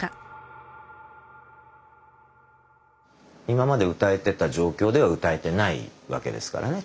今まで歌えてた状況では歌えてないわけですからね